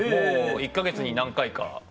１か月に何回か。